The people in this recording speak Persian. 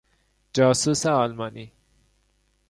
جاسوس آلمانی